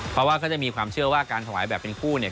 เพราะว่าก็จะมีความเชื่อว่าการถวายแบบเป็นคู่เนี่ย